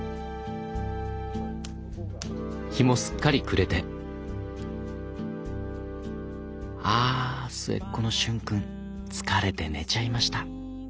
日もすっかり暮れてあ末っ子の瞬くん疲れて寝ちゃいました。